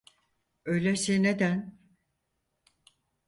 Öyleyse neden?